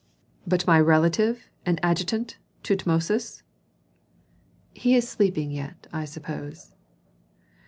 "But my relative and adjutant, Tutmosis?" "He is sleeping yet, I suppose."